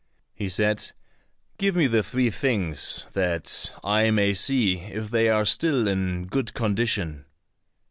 He said, "Give me the three things that I may see if they are still in good condition."